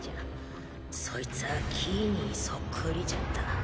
そいつは木にそっくりじゃった。